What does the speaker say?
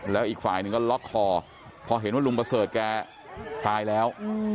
แล้วอีกฝ่ายหนึ่งก็ล็อกคอพอเห็นว่าลุงประเสริฐแกตายแล้ว